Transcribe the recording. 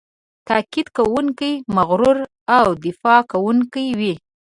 تاکید کوونکی، مغرور او دفاع کوونکی وي.